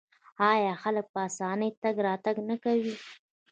آیا خلک په اسانۍ تګ راتګ نه کوي؟